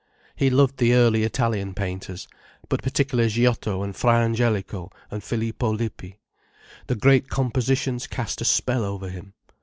He loved the early Italian painters, but particularly Giotto and Fra Angelico and Filippo Lippi. The great compositions cast a spell over him.